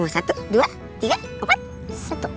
satu dua tiga empat satu